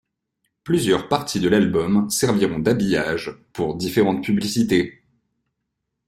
Plusieurs parties de l'album serviront d'habillage pour différentes publicités.